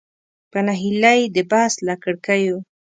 په نهیلۍ د بس له کړکیو.